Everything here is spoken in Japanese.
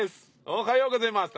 おはようございます！